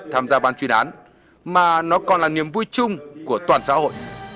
tham gia ban chuyên án mà nó còn là niềm vui chung của toàn xã hội